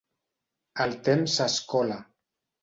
El temps s'escola.